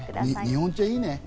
日本茶いいね。